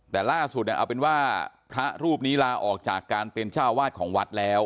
แต่ล่าสุดเอาเป็นว่าพระรูปนี้ลาออกจากการเป็นเจ้าวาดของวัดแล้ว